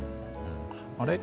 あれ？